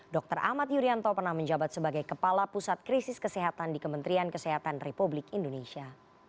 dr ahmad yuryanto pernah menjabat sebagai kepala pusat krisis kesehatan di kementerian kesehatan republik indonesia